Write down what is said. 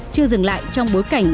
chưa dừng lại trong bối cảnh